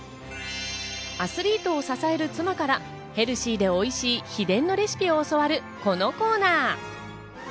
アスリートを支える妻からヘルシーでおいしい秘伝のレシピを教わるこのコーナー。